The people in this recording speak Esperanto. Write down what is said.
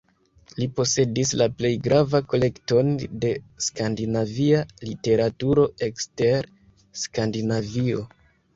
Li posedis la plej grava kolekton de skandinavia literaturo ekster Skandinavio.